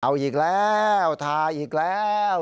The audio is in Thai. เอาอีกแล้วทาอีกแล้ว